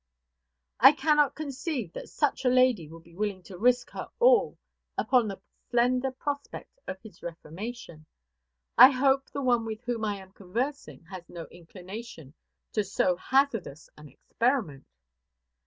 "I cannot conceive that such a lady would be willing to risk her all upon the slender prospect of his reformation. I hope the one with whom I am conversing has no inclination to so hazardous an experiment."